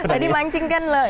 jadi mancingkan loh